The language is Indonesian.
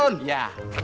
oke tunggu ya